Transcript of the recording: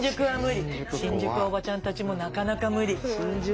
新宿はおばちゃんたちもなかなか無理。